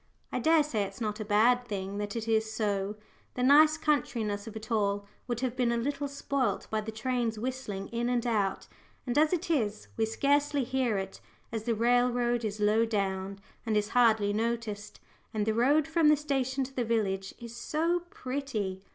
I dare say it's not a bad thing that it is so: the nice country ness of it all would have been a little spoilt by the trains whistling in and out, and as it is, we scarcely hear it, as the railroad is low down and is hardly noticed. And the road from the station to the village is so pretty.